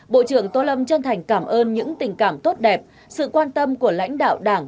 bộ trưởng tô lâm chân thành cảm ơn những tình cảm tốt đẹp sự quan tâm của lãnh đạo đảng